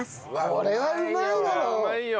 これはうまいよ。